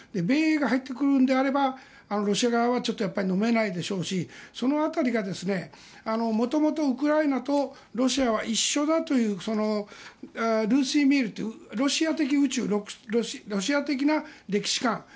米英が入ってくるのであればロシア側はちょっとやっぱりのめないでしょうしその辺りが元々、ウクライナとロシアは一緒だというルースキーミールというロシア的宇宙ロシア的な歴史観